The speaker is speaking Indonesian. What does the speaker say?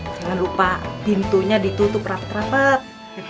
jangan lupa pintunya ditutup rapat rapat